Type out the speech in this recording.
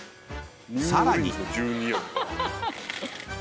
［さらに］